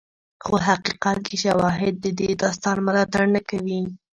خو حقیقت کې شواهد د دې داستان ملاتړ نه کوي.